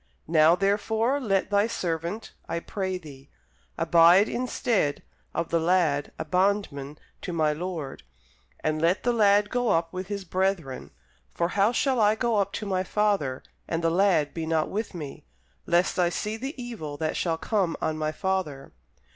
Now therefore, let thy servant, I pray thee, abide instead of the lad a bondman to my lord; and let the lad go up with his brethren. For how shall I go up to my father, and the lad be not with me? lest I see the evil that shall come on my father.